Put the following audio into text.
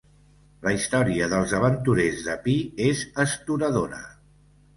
La història dels aventurers de pi és astoradora.